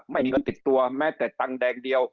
ไม่มีเงินติดตัวแม้แต่ตังค์แดงเดียว